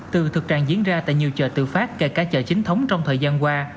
từ thực trạng diễn ra tại nhiều chợ tự phát kể cả chợ chính thống trong thời gian qua